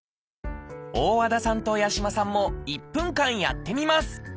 大和田さんと八嶋さんも１分間やってみます